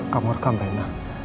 kamu rekam renang